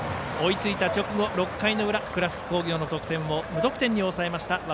追いついた直後６回の裏、倉敷工業の攻撃を無得点に抑えました。